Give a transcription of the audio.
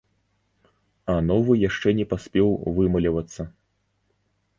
А новы яшчэ не паспеў вымалевацца.